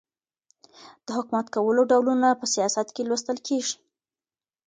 د حکومت کولو ډولونه په سیاست کي لوستل کیږي.